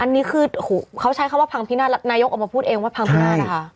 อันนี้คือเขาใช้คำว่าพังพินาศนายกออกมาพูดเองว่าพังพินาศนะคะ